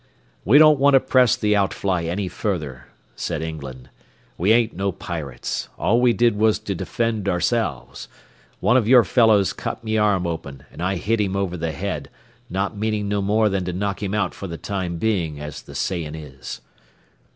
"We don't want to press the outfly any further," said England. "We ain't no pirates. All we did was to defend ourselves. One of your fellows cut me arm open and I hit him over the head, not meanin' no more than to knock him out for the time bein', as the sayin' is."